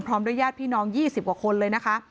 ด้วยญาติพี่น้อง๒๐กว่าคนเลยนะคะ